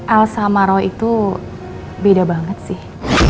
al sama roy itu beda banget sih